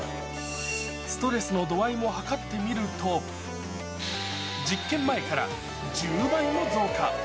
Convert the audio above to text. ストレスの度合いも測ってみると、実験前から１０倍も増加。